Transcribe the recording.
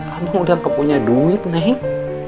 abang udah kepunya duit neng